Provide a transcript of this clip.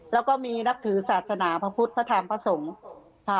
แล้วก็มีนักถือศาสนาภพุทธภาษฐรรมภาสงศ์